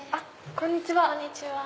こんにちは。